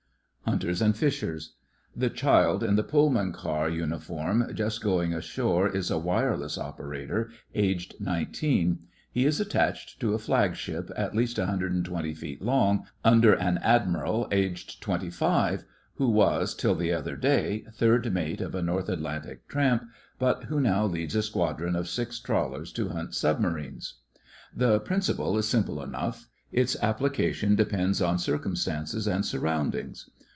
HUNTERS AND FISHERS The child in the Pullman car uni form just going ashore is a wireless operator, aged nineteen. He is at tached to a flagship at least 120 feet long, under an admiral aged twenty five, who was, till the other day, third mate of a North Atlantic tramp, but who now leads a squadron of six trawlers to hunt submarines. The THE FRINGES OF THE FLEET 15 principle is simple enough. Its appli cation depends on circumstances and surroundings.